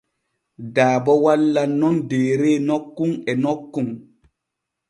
Daado wallan nun deere nokkun e nokkun.